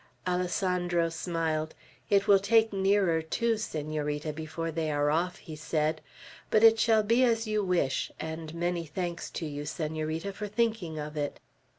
Alessandro smiled. "It will take nearer two, Senorita, before they are off," he said; "but it shall be as you wish, and many thanks to you, Senorita, for thinking of it."